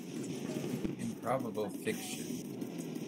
Improbable fiction